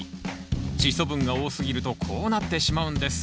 チッ素分が多すぎるとこうなってしまうんです。